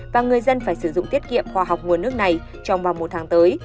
và người dân phải sử dụng tiết kiệm khoa học nguồn nước này trong vào mùa tháng tới